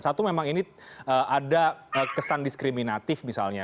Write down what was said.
satu memang ini ada kesan diskriminatif misalnya